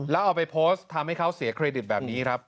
แล้วเอาไปโพสต์ทำให้เขาเสียเครดิตแบบนี้ครับ